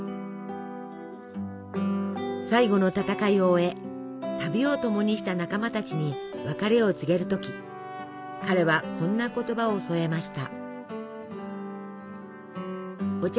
最後の戦いを終え旅をともにした仲間たちに別れを告げるとき彼はこんな言葉を添えました。